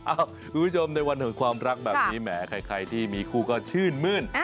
คุณผู้ชมในวันของความรักแบบนี้แหมใครที่มีคู่ก็ชื่นมื้น